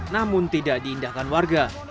namun tidak diindahkan warga